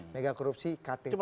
mega korupsi cutting edge